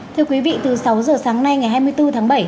thưa quý vị từ sáu giờ sáng nay ngày hai mươi bốn tháng bảy